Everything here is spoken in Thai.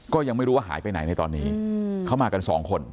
ก็ยังไม่รู้ว่าหายไปไหนในตอนนี้เขามากันสองคน